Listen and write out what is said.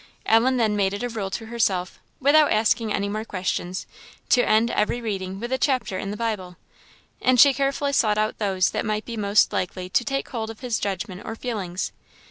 Ellen then made it a rule to herself, without asking any more questions, to end every reading with a chapter in the Bible; and she carefully sought out those that might be most likely to take hold of his judgment or feelings.